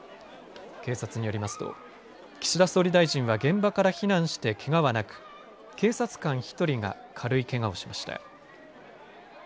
警察によりますと岸田総理大臣は現場から避難してけがはなく警察官１人が軽いけがをしました。